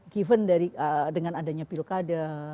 given dengan adanya pilkada